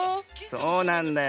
そうなんだよ。